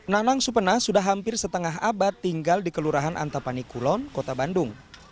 nanang supena sudah hampir setengah abad tinggal di kelurahan antapani kulon kota bandung